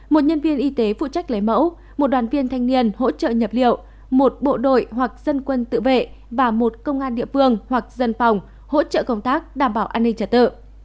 một nhân viên y tế phụ trách lấy mẫu một đoàn viên thanh niên hỗ trợ nhập liệu một bộ đội hoặc dân quân tự vệ và một công an địa phương hoặc dân phòng hỗ trợ công tác đảm bảo an ninh trả tự